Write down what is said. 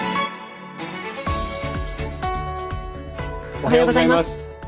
おはようございます。